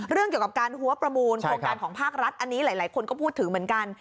เรื่องเกี่ยวกับการหัวประมูลโครงการของภาครัฐอันนี้หลายคนก็พูดถึงเหมือนกัน